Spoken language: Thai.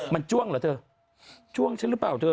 มันจ้วงเหรอเธอจ้วงฉันหรือเปล่าเธอ